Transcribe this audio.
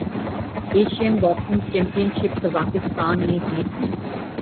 Asian boxing championship قازقستان نے جیت لی